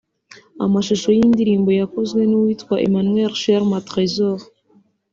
Amashusho y’iyi ndirimbo yakozwe n’uwitwa Emmanuel Sherma Tresor